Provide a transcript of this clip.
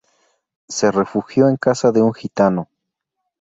Se refugió en casa de un gitano.